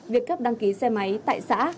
việc cấp đăng ký xe máy tại xã